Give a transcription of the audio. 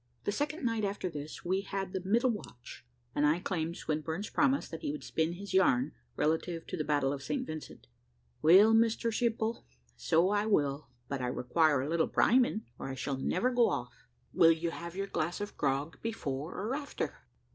The second night after this, we had the middle watch, and I claimed Swinburne's promise that he would spin his yarn, relative to the battle of St. Vincent. "Well, Mr Simple, so I will; but I require a little priming, or I shall never go off." "Will you have your glass of grog before or after?"